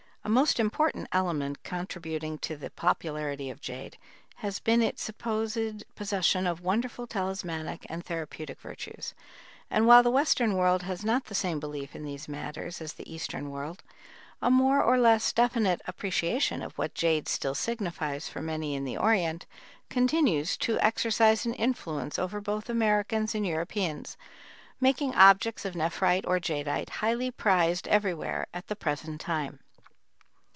A most important element contributing to the popularity of jade has been its supposed possession of wonderful talismanic and therapeutic virtues, and while the Western world has not the same belief in these matters as the Eastern world, a more or less definite appreciation of what jade still signifies for many in the Orient, continues to exercise an influence over both Americans and Europeans, making objects of nephrite or jadeite highly prized everywhere at the present time.